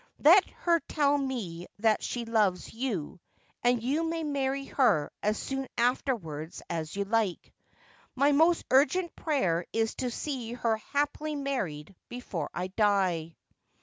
Let her tell me that she loves you, and you may marry her as soon afterwards as 320 Just as I Am. you like. My most urgent prayer is to see her happily married before I die.'